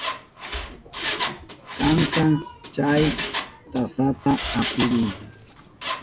Kanka, chay tasata apiriy.